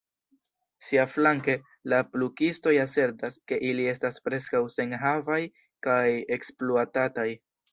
Siaflanke, la plukistoj asertas, ke ili estas preskaŭ senhavaj kaj ekspluatataj.